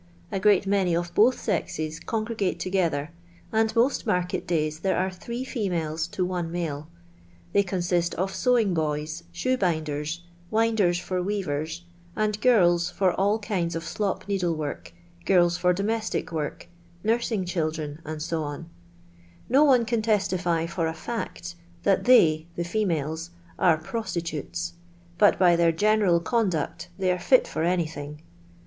A great many of both sexes congregate together, and most market days there are three females to one male. They consist of sewing boys, shoe binders, winders for weavers, and girls for all kinds of slop needle work, fprls for domestic work, nursing children, &c. No one can testify, for a &ct, that they (the females) are prostitutes; bnt, by their general conduct, they are fit for anything.